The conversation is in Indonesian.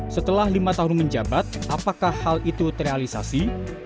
setelah lima tahun menjabat apakah hal itu terrealisasi